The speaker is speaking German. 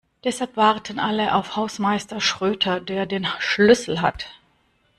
Deshalb warten alle auf Hausmeister Schröter, der den Schlüssel hat.